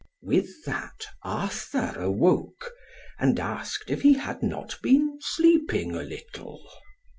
With that Arthur awoke, and asked if he had not been sleeping a little.